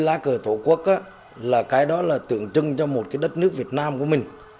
lá cờ tổ quốc là cái đó là tượng trưng cho một cái đất nước việt nam của mình